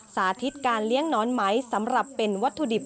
สาธิตการเลี้ยงหนอนไหมสำหรับเป็นวัตถุดิบ